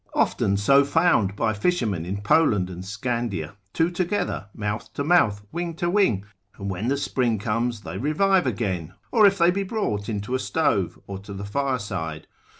often so found by fishermen in Poland and Scandia, two together, mouth to mouth, wing to wing; and when the spring comes they revive again, or if they be brought into a stove, or to the fireside.